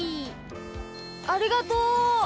ありがとう！